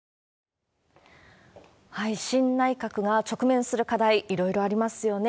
新内閣が直面する課題、いろいろありますよね。